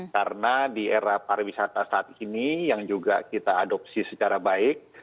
karena di era pariwisata saat ini yang juga kita adopsi secara baik